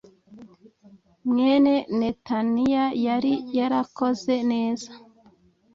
mwene netaniya yari yarakoze neza